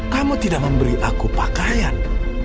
kamu tidak memberi aku pakaian